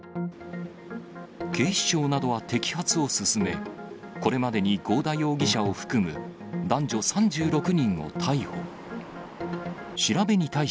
警視庁などは摘発を進め、これまでに合田容疑者を含む男女３６人を逮捕。